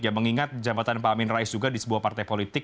ya mengingat jabatan pak amin rais juga di sebuah partai politik